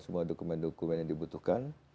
semua dokumen dokumen yang dibutuhkan